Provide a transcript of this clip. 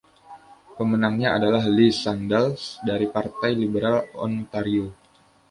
Pemenangnya adalah Liz Sandals dari Partai Liberal Ontario.